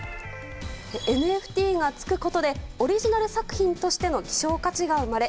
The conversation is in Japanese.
ＮＦＴがつくことでオリジナル作品としての希少価値が生まれ